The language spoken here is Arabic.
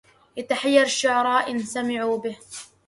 يتحير الشعراء إن سمعوا به